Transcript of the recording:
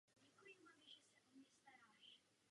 Bylo zde zřízeno několik stanic.